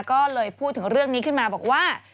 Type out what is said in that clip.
ก็เลยพูดถึงเรื่องนี้ขึ้นมาบอกว่า